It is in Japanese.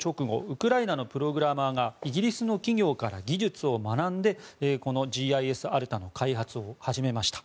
ウクライナのプログラマーがイギリスの企業から技術を学んでＧＩＳＡｒｔａの開発を始めました。